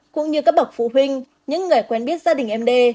cũng như các bậc phụ huynh những người quen biết gia đình md